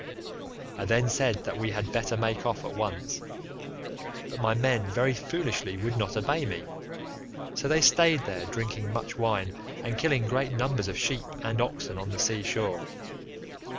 I then said that we had better make off at once, but my men very foolishly would not obey me, so they staid there drinking much wine and killing great numbers of sheep and oxen on the sea shore.